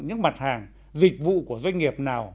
những mặt hàng dịch vụ của doanh nghiệp nào